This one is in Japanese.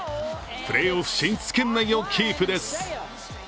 プレーオフ進出圏内をキープです。